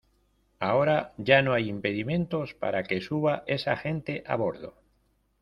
ahora ya no hay impedimentos para que suba esa gente a bordo.